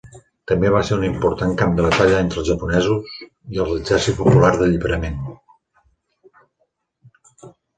També va ser un important camp de batalla entre els japonesos i l'Exèrcit Popular d'Alliberament.